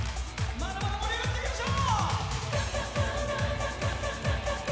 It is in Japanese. まだまだ盛り上がっていきましょう！